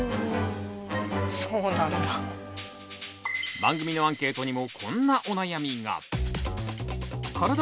番組のアンケートにもこんなお悩みが。